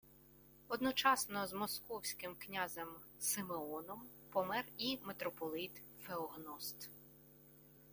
Одночасно з московським князем Симеоном помер і митрополит Феогност